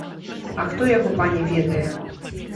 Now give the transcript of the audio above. А хто яго, пане, ведае.